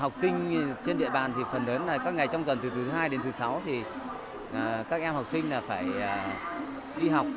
học sinh trên địa bàn thì phần lớn là các ngày trong tuần từ thứ hai đến thứ sáu thì các em học sinh là phải đi học